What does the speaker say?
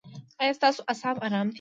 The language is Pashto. ایا ستاسو اعصاب ارام دي؟